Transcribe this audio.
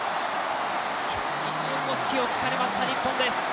一瞬の隙を突かれました日本です。